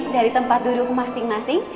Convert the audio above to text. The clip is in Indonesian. dari tempat duduk masing masing